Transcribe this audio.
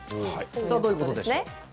どういうことでしょう？